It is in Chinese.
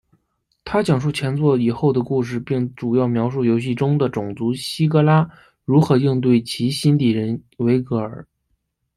它讲述前作以后的故事并主要描述游戏中的种族希格拉如何应对其新敌人维格尔。